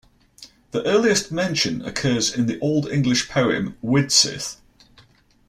The earliest mention occurs in the Old English poem "Widsith".